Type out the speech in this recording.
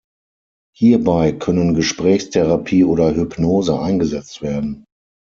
Hierbei können Gesprächstherapie oder Hypnose eingesetzt werden.